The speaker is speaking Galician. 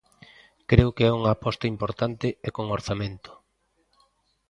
Creo que é unha aposta importante e con orzamento.